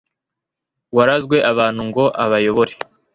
warazwe abantu ngo abayobore